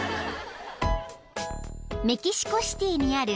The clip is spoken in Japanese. ［メキシコシティにある］